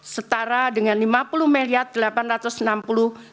setara dengan rp lima puluh delapan ratus enam puluh